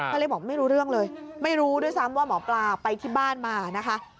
ก็เลยบอกไม่รู้เรื่องเลยไม่รู้ด้วยซ้ำว่าหมอปลาไปที่บ้านมานะคะ